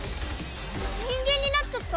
人間になっちゃった！？